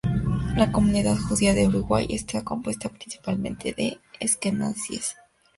La comunidad judía de Uruguay está compuesta principalmente de asquenazíes.